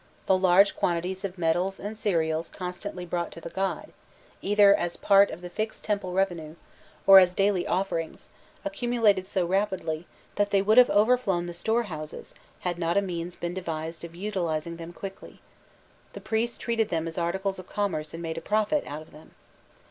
The large quantities of metals and cereals constantly brought to the god, either as part of the fixed temple revenue, or as daily offerings, accumulated so rapidly, that they would have overflowed the storehouses, had not a means been devised of utilizing them quickly: the priests treated them as articles of commerce and made a profit out of them.